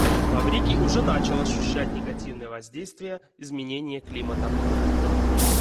Маврикий уже начал ощущать негативное воздействие изменения климата.